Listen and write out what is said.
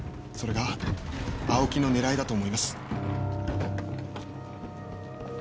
それが青木のねらいだと思います。